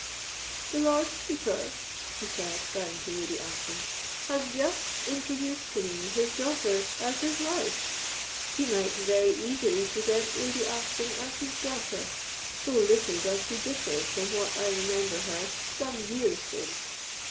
"The Lord Keeper," he said, bowing to Lady Ashton, "has just introduced to me his daughter as his wife; he might very easily present Lady Ashton as his daughter, so little does she differ from what I remember her some years since.